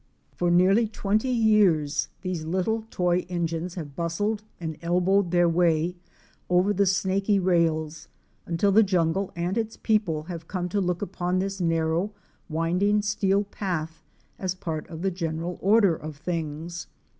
For nearly twenty years these little toy engines have bustled and elbowed their way over the snaky rails, until the jungle and its people have come to look upon this narrow winding steel path as part of the general order of things.